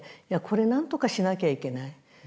いやこれなんとかしなきゃいけない。